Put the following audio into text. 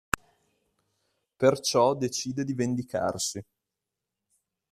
Perciò decide di vendicarsi.